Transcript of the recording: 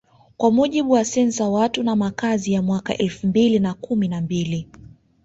Kwa mujibu wasensa Watu na Makazi ya mwaka elfu mbili na kumi na mbili